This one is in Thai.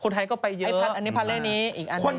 มันจะมีคนไทยอีกกลุ่มหนึ่งนะมันจะมีคนไทยอีกกลุ่มหนึ่งนะ